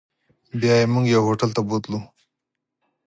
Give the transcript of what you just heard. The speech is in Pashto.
بیا یې موږ یو هوټل ته بوتلو.